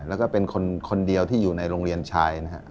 และเป็นคนเดียวที่เป็นคนอยู่ในโรงเรียนชายนะครับ